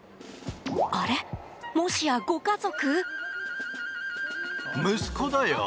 あれっ、もしやご家族？